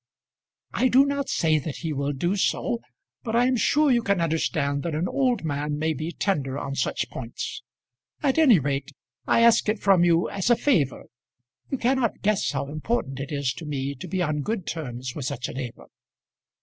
"I do not say that he will do so; but I am sure you can understand that an old man may be tender on such points. At any rate I ask it from you as a favour. You cannot guess how important it is to me to be on good terms with such a neighbour."